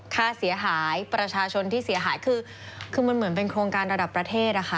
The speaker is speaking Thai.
ค่าเสียหายประชาชนที่เสียหายคือมันเหมือนเป็นโครงการระดับประเทศนะคะ